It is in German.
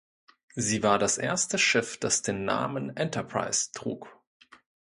Sie war das erste Schiff, das den Namen "Enterprise" trug.